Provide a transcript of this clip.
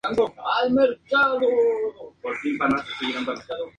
Él es ahora un psicópata y un desequilibrado mental.